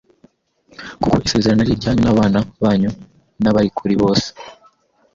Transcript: kuko isezerano ari iryanyu n’abana banyu n’abari kuri bose,